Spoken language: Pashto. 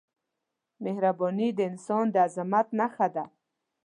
مهرباني د انسان د عظمت نښه ده.